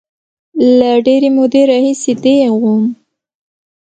له ډېرې مودې راهیسې دیغ وم.